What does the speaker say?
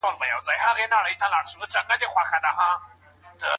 مسلمان قوماندانان بايد عادل وي.